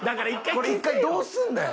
これ一回どうすんねん！？